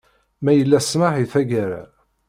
Ma yella smaḥ i taggara.